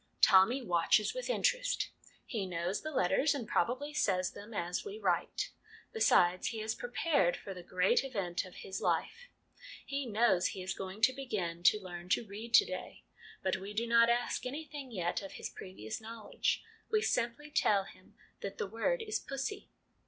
Tommy watches with interest : he knows the letters, and prob ably says them as we write. Besides, he is prepared for the great event of his life ; he knows he is going to begin to learn to read to day. But we do not ask anything yet of his previous knowledge. We simply tell him that the word is 'pussy.'